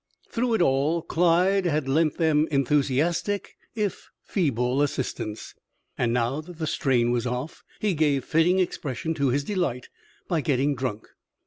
Through it all Clyde had lent them enthusiastic if feeble assistance; and now that the strain was off, he gave fitting expression to his delight by getting drunk.